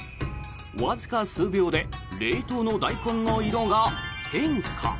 わずか数秒で冷凍のダイコンの色が変化。